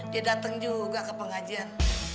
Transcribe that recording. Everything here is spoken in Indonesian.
dia datang juga ke pengajian